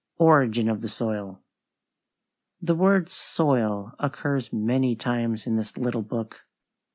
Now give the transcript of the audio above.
ORIGIN OF THE SOIL The word soil occurs many times in this little book.